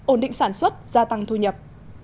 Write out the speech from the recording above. ổn định sản xuất gia tăng thu nhập